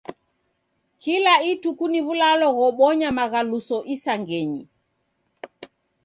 Kila ituku ni w'ulalo ghobonya maghaluso isangenyi.